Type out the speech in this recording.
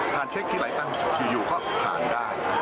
ทานเช็คที่หลายตั้งอยู่ก็พันได้